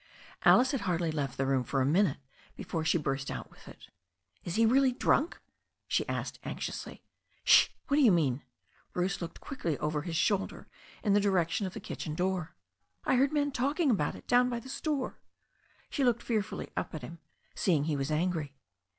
Alice had hardly left the room for a minute before she turst out with it. Is he really drunk?" she asked anxiously. 'Shi What do you mean?" Bruce looked quickly over his shoulder in the direction of the kitchen door. "I heard the men talking about it down by the store.'* She looked fearfully at him, seeing he was angry.